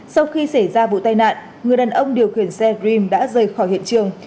sau khi xảy ra vụ tai nạn người đàn ông điều khiển xe dream đã rời khỏi hiện trường